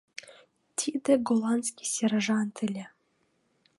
Тиде голландский сержант ыле.